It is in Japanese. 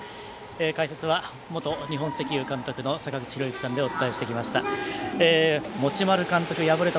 解説は元日本石油監督の坂口裕之さんでお伝えしてきました。